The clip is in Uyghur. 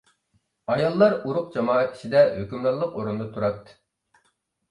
ئاياللار ئۇرۇق-جامائەت ئىچىدە ھۆكۈمرانلىق ئورۇندا تۇراتتى.